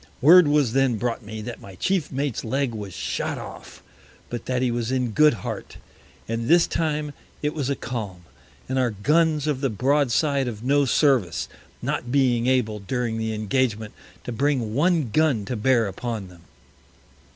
Word was then brought me, that my Chief Mate's Leg was shot off, but that he was in good Heart. All this time it was a Calm, and our Guns of the Broad side of no Service, not being able, during the Engagement, to bring one Gun to bear upon them.